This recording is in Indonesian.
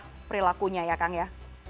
apa perilakunya ya kang ya